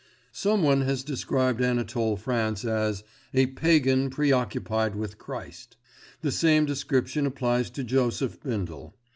Someone has described Anatole France as "a pagan preoccupied with Christ." The same description applies to Joseph Bindle.